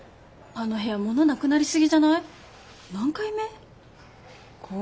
あの部屋物なくなりすぎじゃない？何回目？